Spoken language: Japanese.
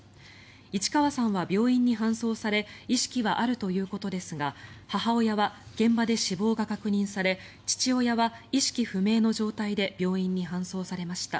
市川さんは病院に搬送され意識はあるということですが母親は現場で死亡が確認され父親は意識不明の状態で病院に搬送されました。